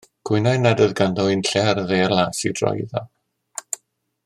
Cwynai nad oedd ganddo unlle ar y ddaear las i droi iddo.